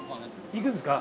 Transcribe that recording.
行くんですか？